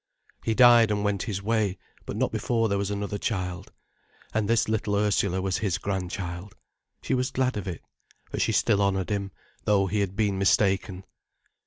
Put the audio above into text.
He died and went his way, but not before there was another child. And this little Ursula was his grandchild. She was glad of it. For she still honoured him, though he had been mistaken.